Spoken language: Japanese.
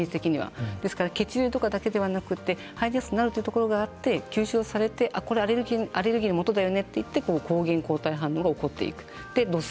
ですから血中だけではなくて入りやすくなるということがあって吸収されることでアレルギーのもとだということで抗原抗体反応が起こってしまいます。